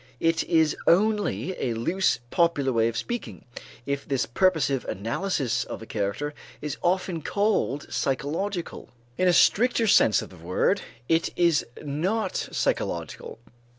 It is only a loose popular way of speaking, if this purposive analysis of a character is often called psychological. In a stricter sense of the word, it is not psychological.